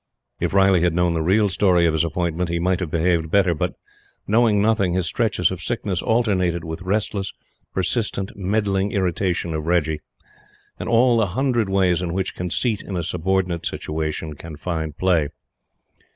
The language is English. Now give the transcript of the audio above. If Riley had known the real story of his appointment, he might have behaved better; but knowing nothing, his stretches of sickness alternated with restless, persistent, meddling irritation of Reggie, and all the hundred ways in which conceit in a subordinate situation can find play.